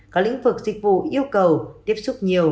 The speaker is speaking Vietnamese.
có lĩnh vực dịch vụ yêu cầu tiếp xúc nhiều